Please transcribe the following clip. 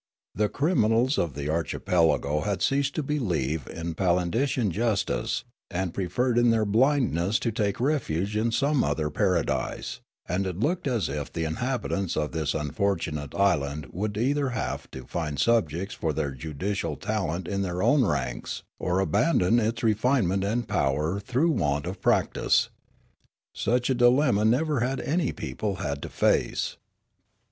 The criminals of the archipelago had ceased to believe in Palindician justice, and preferred in their blindness to take refuge in some other paradise; and it looked as if the inhab itants of this unfortunate island would either have to find subjects for their judicial talent in their own ranks or abandon its refinement and power through want of practice. Such a dilemma never had any people had to face.